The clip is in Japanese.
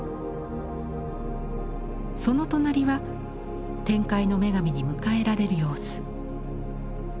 その隣は天界の女神に迎えられる様子。